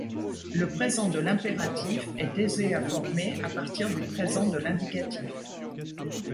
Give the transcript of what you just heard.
Le présent de l'impératif est aisé à former à partir du présent de l'indicatif.